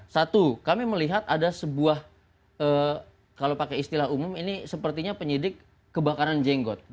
satu kami melihat ada sebuah kalau pakai istilah umum ini sepertinya penyidik kebakaran jenggot